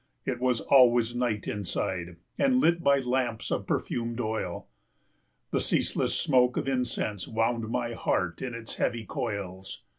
It was always night inside, and lit by the lamps of perfumed oil. The ceaseless smoke of incense wound my heart in its heavy coils.